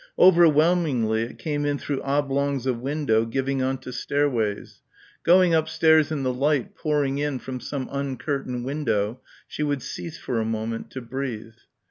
Overwhelmingly it came in through oblongs of window giving on to stairways. Going upstairs in the light pouring in from some uncurtained window, she would cease for a moment to breathe.